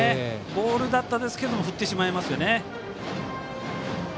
ボールだったんですが振ってしまいますよね。